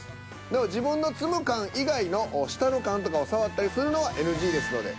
でも自分の積む缶以外の下の缶とかを触ったりするのはＮＧですので。